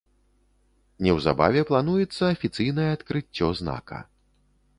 Неўзабаве плануецца афіцыйнае адкрыццё знака.